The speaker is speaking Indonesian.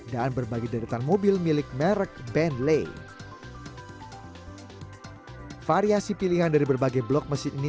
dan berbagai deretan mobil milik merek bentley variasi pilihan dari berbagai blok mesin ini